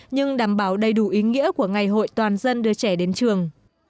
nhưng đảm bảo đầy đủ ý nghĩa của ngày hội toàn dân đưa trẻ đến trường